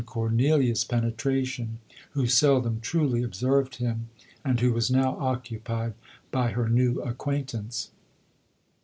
137 Cornelia's penetration, who seldom truly ob served him, and who was now occupied by her new acquaintance.